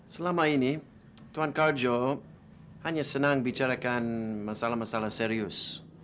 selama ini tuan kaljo hanya senang bicarakan masalah masalah serius